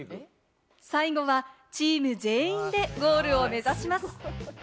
最後はチーム全員でゴールを目指します。